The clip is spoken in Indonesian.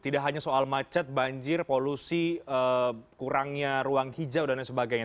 tidak hanya soal macet banjir polusi kurangnya ruang hijau dan lain sebagainya